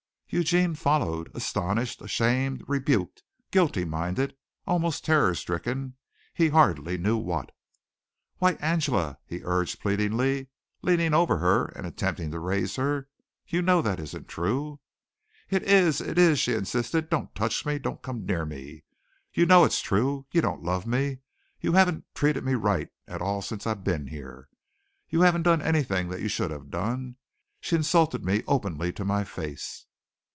Eugene followed, astonished, ashamed, rebuked, guilty minded, almost terror stricken he hardly knew what. "Why, Angela," he urged pleadingly, leaning over her and attempting to raise her. "You know that isn't true." "It is! It is!!" she insisted. "Don't touch me! Don't come near me! You know it is true! You don't love me. You haven't treated me right at all since I've been here. You haven't done anything that you should have done. She insulted me openly to my face."